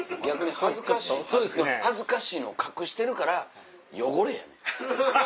恥ずかしいのを隠してるからヨゴレやねん。